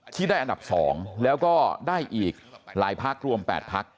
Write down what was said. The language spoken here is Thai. ที่ได้อันดับ๒แล้วก็ได้อีกหลายพักรวม๘พัก